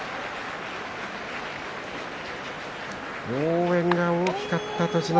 応援が大きかった栃ノ